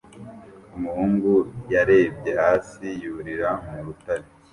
Umuhungu yarebye hasi yurira mu rutare